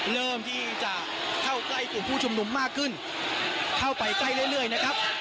เริ่มที่จะเข้าใกล้กลุ่มผู้ชุมนุมมากขึ้นเข้าไปใกล้เรื่อยนะครับ